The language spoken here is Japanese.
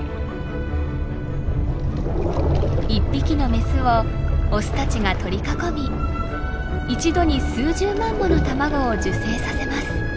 一匹のメスをオスたちが取り囲み一度に数十万もの卵を受精させます。